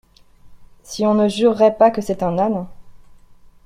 Si on ne jurerait pas que c'est un âne !